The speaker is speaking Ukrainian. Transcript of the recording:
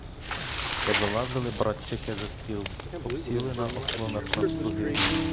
Позалазили братчики за стіл; обсіли на ослонах навкруги.